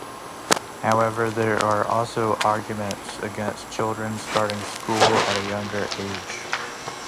However, there are also arguments against children starting school at a younger age.